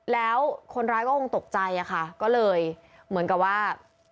แล้วคนร้ายก็คงตกใจอะค่ะก็เลยเหมือนกับว่า